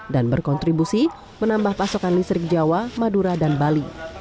dan berkontribusi menambah pasokan listrik jawa madura dan bali